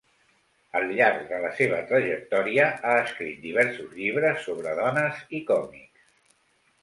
Al llarg de la seva trajectòria ha escrit diversos llibres sobre dones i còmics.